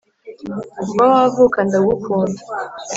kuva wavuka ndagukunda